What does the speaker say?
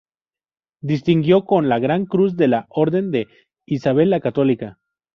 Distinguido con la gran cruz de la Orden de Isabel la Católica.